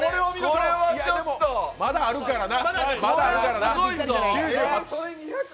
でも、まだあるからな。